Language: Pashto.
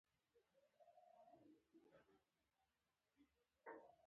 پردې کله مینځئ؟ میاشت کې یوځل